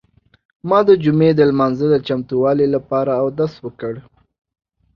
ما د جمعې د لمانځه د چمتووالي لپاره اودس وکړ.